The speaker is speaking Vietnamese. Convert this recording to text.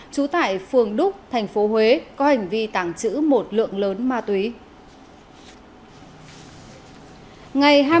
trú tại phường đúc tp huế có hành vi tàng trữ một lượng lớn ma tuyến